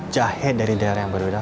jahe dari daerah yang berbeda